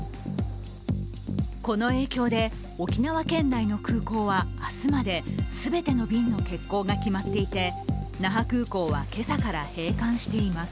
この影響で、沖縄県内の空港は明日まで全ての便の欠航が決まっていて那覇空港は今朝から閉館しています。